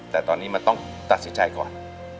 แต่ตอนนี้มันต้องตัดสินใจก่อน